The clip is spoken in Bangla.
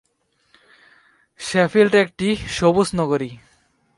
শেফিল্ড একটি সবুজ নগরী।